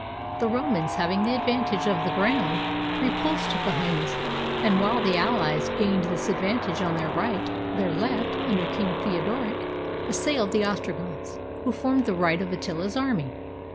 The Romans, having the advantage of the ground, repulsed the Huns, and while the alHes gained this advantage on their right, their left, under King Theod oric, assailed the Ostrogoths, who formed the right of Attila's army.